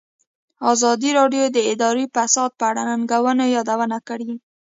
ازادي راډیو د اداري فساد په اړه د ننګونو یادونه کړې.